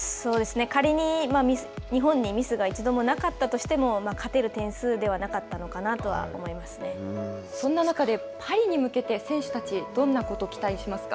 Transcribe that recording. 仮に日本にミスが一度もなかったとしても、勝てる点数ではなかそんな中で、パリに向けて、選手たち、どんなことを期待しますか。